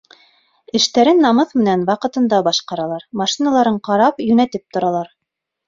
Эштәрен намыҫ менән, ваҡытында башҡаралар, машиналарын ҡарап-йүнәтеп торалар.